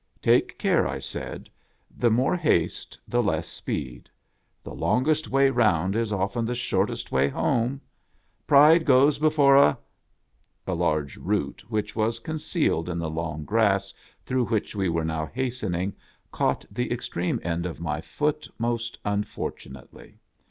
"Take care," I said. "The more haste, the less speed. The longest way round is often the shortest way home. Pride goes before a ...." A large root, which was concealed in the long grass through which we were now hastening, caught the extreme end of my foot, most unfortunately.